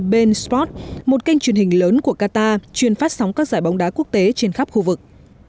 ben sport một kênh truyền hình lớn của qatar chuyên phát sóng các giải bóng đá quốc tế trên khắp khu vực